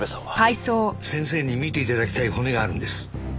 先生に見て頂きたい骨があるんです。